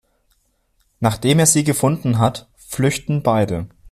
Nachdem er sie gefunden hat, flüchten beide.